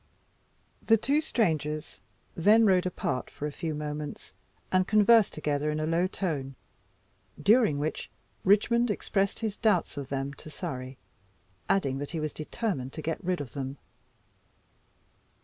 The two strangers then rode apart for a few moments, and conversed together in a low tone, during which Richmond expressed his doubts of them to Surrey, adding that he was determined to get rid of them.